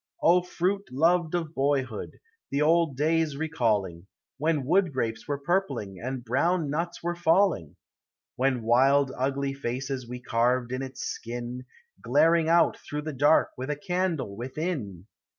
O, fruit loved of boyhood! the old days recalling; When wood grapes were purpling and brown nuts were falling! When wild, ugly faces we carved in its skin, Glaring out through the dark with a candle within